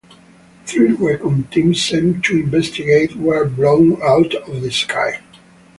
Three recon teams sent to investigate were blown out of the sky.